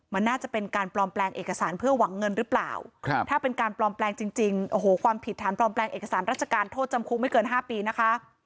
มันน่าจะเป็นการปลอมแปลงเอกสารเพื่อหวังเงินหรือเปล่าถ้าเป็นการปลอมแปลงจริงโอ้โหความผิดฐานปลอมแปลงเอกสารราชการโทษจำคุกไม่เกิน๕ปีนะคะ